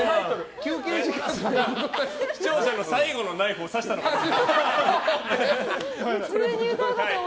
視聴者の最後のナイフを刺したのかなと。